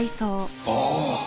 ああ